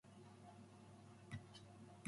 Saudek lives and works in Prague.